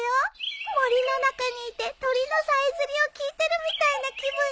森の中にいて鳥のさえずりを聞いてるみたいな気分になったの。